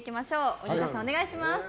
大仁田さん、お願いします。